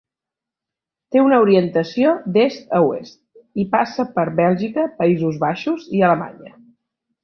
Té una orientació d'est a oest i passa per Bèlgica, Països Baixos i Alemanya.